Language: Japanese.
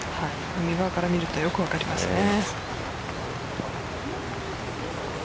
海側から見るとよく分かりますね。